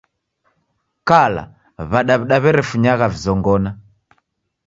Kala w'adaw'da w'erefunyagha vizongona.